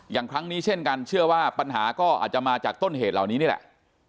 อย่างครั้งนี้เช่นกันเชื่อว่าปัญหาก็อาจจะมาจากต้นเหตุเหล่านี้นี่แหละ